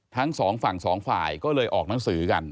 ทั้งสองฝั่งสองฝ่ายก็เลยออกหนังสือกัน